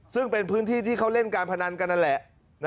ซึ่งเป็นพื้นที่ที่เขาเล่นการพนันกันนั่นแหละ